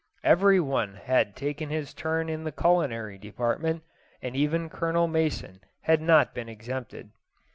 Every one had taken his turn in the culinary department, and even Colonel Mason had not been exempted.